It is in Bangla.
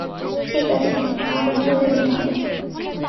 ঠিক আছে, আমাদের চলে যেতে হবে।